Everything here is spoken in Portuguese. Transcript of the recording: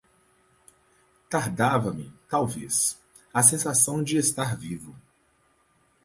Tardava-me, talvez, a sensação de estar vivo.